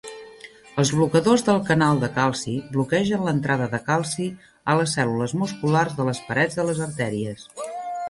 Els blocadors del canal de calci bloquegen l'entrada de calci a les cèl·lules musculars de les parets de les artèries.